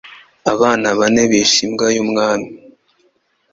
Abana bane bishe imbwa y'umwami.